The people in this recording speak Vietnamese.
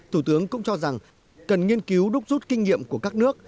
thủ tướng cũng cho rằng cần nghiên cứu đúc rút kinh nghiệm của các nước